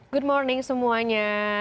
good morning semuanya